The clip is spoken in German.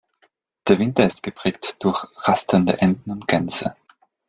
Der Winter ist geprägt durch rastende Enten und Gänse.